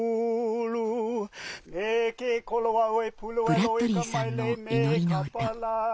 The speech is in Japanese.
ブラッドリーさんの祈りの歌。